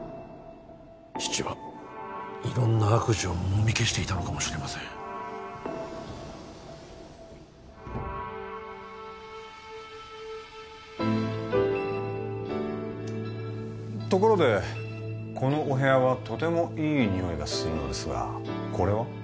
父は色んな悪事をもみ消していたのかもしれませんところでこのお部屋はとてもいい匂いがするのですがこれは？